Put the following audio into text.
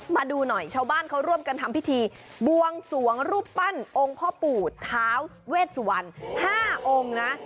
มาดูหน่อยชาวบ้านเขาร่วมกันทำพิธีบวงสวงรูปปั้นองค์พ่อปู่ท้าเวชสุวรรณ๕องค์นะ